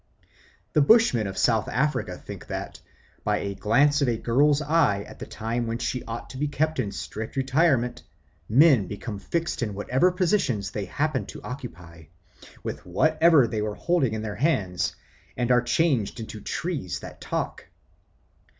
The Bushmen of South Africa think that, by a glance of a girl's eye at the time when she ought to be kept in strict retirement, men become fixed in whatever positions they happen to occupy, with whatever they were holding in their hands, and are changed into trees that talk.